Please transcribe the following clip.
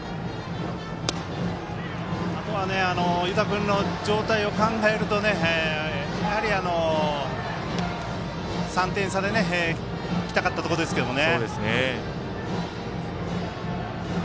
あとは、湯田君の状態を考えると３点差できたかったところですけどね。